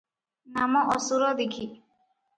ନାମ ଅସୁର ଦୀଘି ।